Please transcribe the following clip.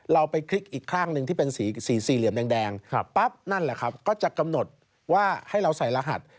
เราไปคลิกอีกข้างหนึ่งที่เป็นสีเหลี่ยมแดงปั๊บนั่นแหละครับก็จะกำหนดว่าให้เราใส่รหัส